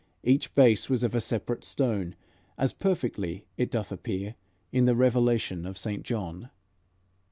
Each base was of a separate stone As, perfectly, it doth appear In the Revelation of St. John.